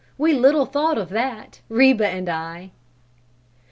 We little thought of that, Reba and I!"